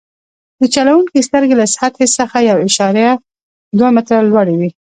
د چلوونکي سترګې له سطحې څخه یو اعشاریه دوه متره لوړې وي